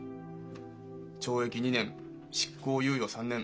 懲役２年執行猶予３年。